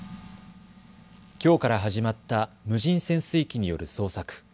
きょうから始まった無人潜水機による捜索。